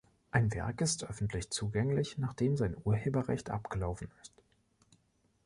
Ein Werk ist öffentlich zugänglich, nachdem sein Urheberrecht abgelaufen ist